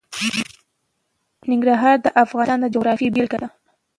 ننګرهار د افغانستان د جغرافیې بېلګه ده.